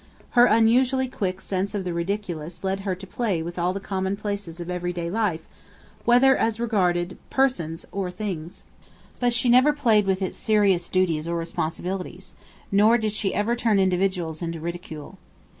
Her unusually quick sense of the ridiculous led her to play with all the common places of everyday life, whether as regarded persons or things; but she never played with its serious duties or responsibilities, nor did she ever turn individuals into ridicule.